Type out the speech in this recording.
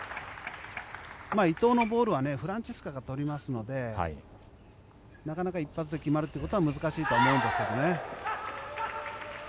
伊藤のボールはフランツィスカが取りますのでなかなか一発で決まることは難しいとは思うんですけどね。